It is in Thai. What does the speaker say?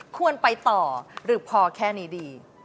ควรไปต่อหรือพอแค่นี้ดี